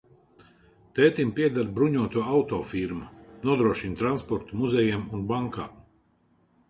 Tētim pieder bruņoto auto firma, nodrošina transportu muzejiem un bankām.